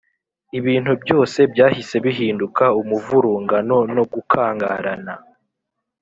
ibintu byose byahise bihinduka umuvurungano no gukangarana